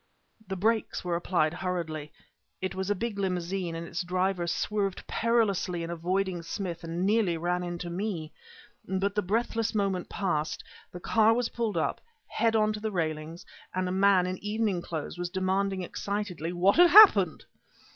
The brakes were applied hurriedly. It was a big limousine, and its driver swerved perilously in avoiding Smith and nearly ran into me. But, the breathless moment past, the car was pulled up, head on to the railings; and a man in evening clothes was demanding excitedly what had happened.